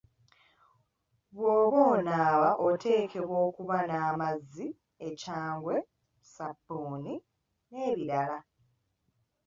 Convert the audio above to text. Bw'oba onaaba oteekwa okuba n'amazzi, ekyangwe, ssabbuni n'ebirala.